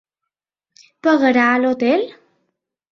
Pagarà a l'hotel?